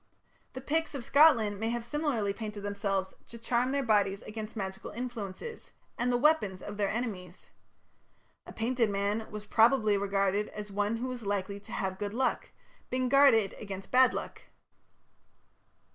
The Picts of Scotland may have similarly painted themselves to charm their bodies against magical influences and the weapons of their enemies. A painted man was probably regarded as one who was likely to have good luck, being guarded against bad luck.